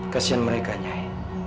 kasian mereka nyai